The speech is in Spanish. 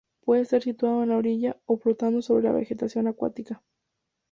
Puede estar situado en la orilla o flotando sobre la vegetación acuática.